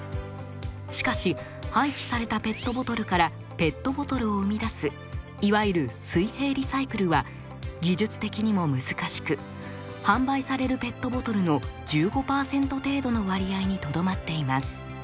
しかし廃棄されたペットボトルからペットボトルを生み出すいわゆる水平リサイクルは技術的にも難しく販売されるペットボトルの１５％程度の割合にとどまっています。